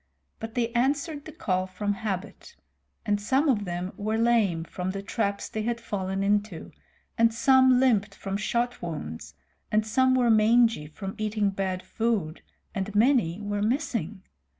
But they answered the call from habit; and some of them were lame from the traps they had fallen into, and some limped from shot wounds, and some were mangy from eating bad food, and many were missing.